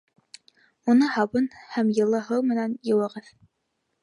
Уны һабын һәм йылы һыу менән йыуығыҙ.